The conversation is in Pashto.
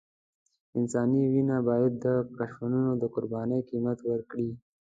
انساني وينه بايد د کثافاتو د قربانۍ قيمت ورکړي.